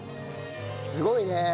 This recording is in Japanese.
すごいね。